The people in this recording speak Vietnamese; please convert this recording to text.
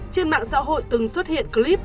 trên mạng xã hội từng xuất hiện clip